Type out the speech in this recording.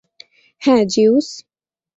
হ্যাঁ, জিউস।